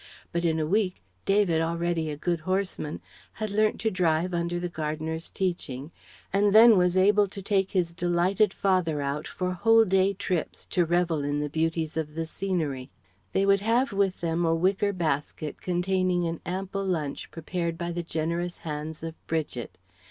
But in a week, David, already a good horseman, had learnt to drive under the gardener's teaching, and then was able to take his delighted father out for whole day trips to revel in the beauties of the scenery. They would have with them a wicker basket containing an ample lunch prepared by the generous hands of Bridget.